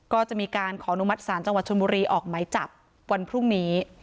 ก็จะมีการขออนุมัติศาลจังหวัดชนบุรีออกไหมจับวันพรุ่งนี้